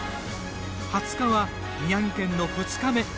２０日は、宮城県の２日目。